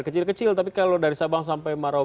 kecil kecil tapi kalau dari sabang sampai marou